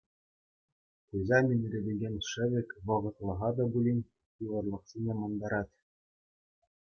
Пуҫа минретекен шӗвек вӑхӑтлӑха та пулин йывӑрлӑхсене мантарать.